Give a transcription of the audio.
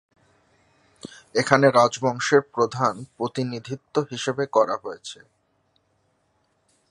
এখানে রাজবংশের প্রধান প্রতিনিধিত্ব হিসেবে করা হয়েছে।